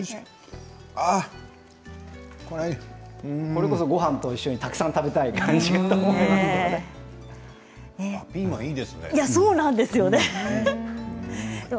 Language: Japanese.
これこそごはんと一緒にたくさん食べたいと思いますけれど。